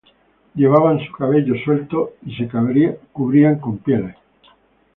Llevaban su cabello suelto y se cubrían con pieles.